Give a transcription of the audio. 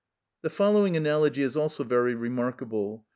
The following analogy is also very remarkable.